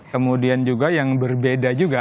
kemudian juga yang berbeda juga